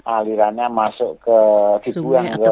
alirannya masuk ke tubuh yang kemarau